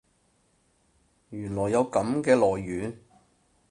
原來有噉嘅來源